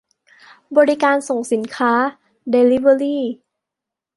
- บริการส่งสินค้า เดลิเวอรี